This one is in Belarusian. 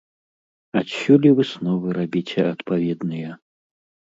Адсюль і высновы рабіце адпаведныя.